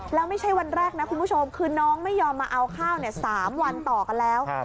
แล้วไม่ใช่วันแรกนะคุณผู้ชมคือน้องไม่ยอมมาเอาข้าว๓วันต่อกันแล้ว